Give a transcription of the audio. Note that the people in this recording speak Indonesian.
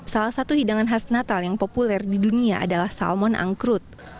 salah satu hidangan khas natal yang populer di dunia adalah salmon angkrut